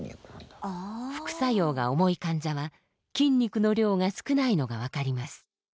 副作用が重い患者は筋肉の量が少ないのが分かります。